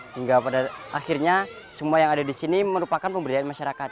hingga pada akhirnya semua yang ada di sini merupakan pemberdayaan masyarakat